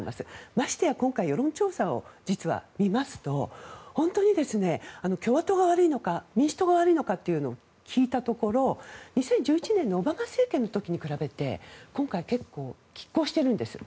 ましてや今回の世論調査を見ますと本当に共和党が悪いのか民主党が悪いのか聞いたところ２０１１年のオバマ政権の時に比べて今回、結構きっ抗しているんです。